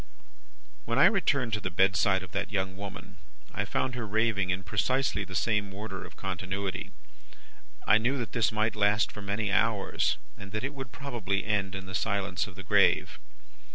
"When I returned to the bedside of the young woman, I found her raving in precisely the same order of continuity. I knew that this might last for many hours, and that it would probably end in the silence of the grave.